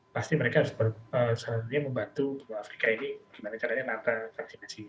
pasti mereka harus selalu membantu afrika ini bagaimana caranya menantang vaksinasi